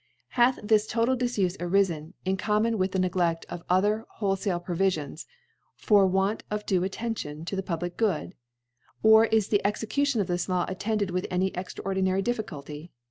Hath this totat Difufe arifen^ in common with the Ncgleft of other wholefome Pro vifions, from Want of due Attention t6 riic Public Good ? or is the Execution cf this Law attended with any extraordinary Difficulty